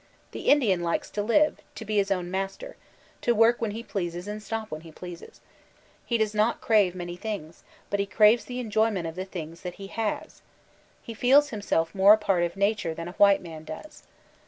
The Indian likes to Iwe; to be his own mas ter; to work when he pleases and stop when he pleaaes. He does not crave many things, but he craves the enjoy ment of the things that he has. He feels himself more a part of nature than a white man does.